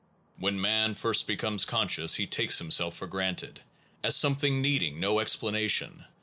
When man first becomes con scious, he takes himself for granted, as some thing needing no explanation.